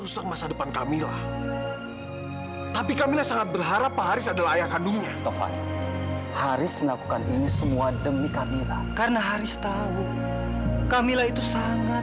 sampai jumpa di video selanjutnya